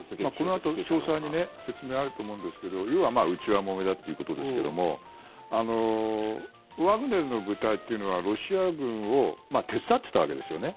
このあと詳細に説明あると思うんですけど要は内輪もめだということですけどもワグネルの部隊というのはロシア軍を手伝ってきたわけですよね。